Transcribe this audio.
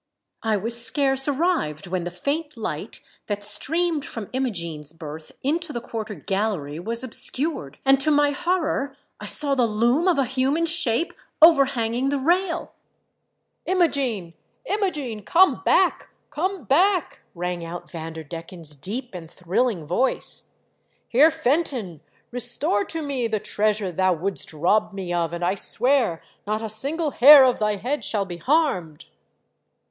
I was scarce arrived when the faint light that streamed from Imogene's berth into the quarter gallery was obscured, and to my horror I saw the loom of a human shape overhanging the rail. "Imogene! Imogene! Comeback — come back !" rang out Vanderdecken's deep and thrilling voice. " Heer Fenton, restore to me the treasure thou wouldst rob me of and I swear not a single hair of thy head shall be harmed."